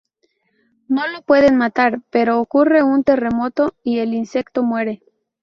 No lo pueden matar, pero ocurre un terremoto y el insecto muere.